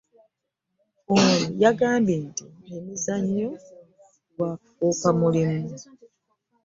Ono yagambye nti emizannyo gwafuuka mulimu